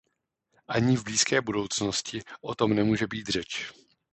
Ani v blízké budoucnosti o tom nemůže být řeč.